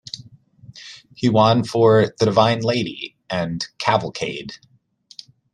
He won for "The Divine Lady" and "Cavalcade".